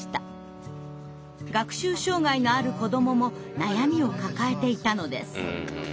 学習障害のある子どもも悩みを抱えていたのです。